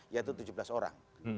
yaitu tujuh belas orang